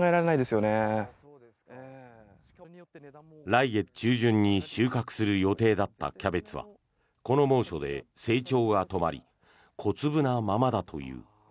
来月中旬に収穫する予定だったキャベツはこの猛暑で成長が止まり小粒なままだという。